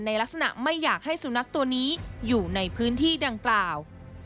ลักษณะไม่อยากให้สุนัขตัวนี้อยู่ในพื้นที่ดังกล่าว